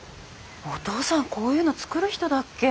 お父さんこういうの作る人だっけ？